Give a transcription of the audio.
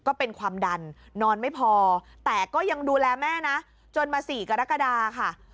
ก็เป็นความดันนอนไม่พอแต่ก็ยังดูแลแม่นะจนมา๔กรกฎาค่ะ